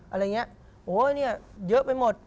อะไรเงี้ยโอ้เนี่ยเยอะไปหมด